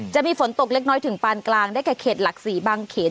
จะมีฝนตกเล็กน้อยถึงปานกลางได้แก่เขตหลักศรีบางเขน